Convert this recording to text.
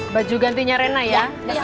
baju gantinya rena ya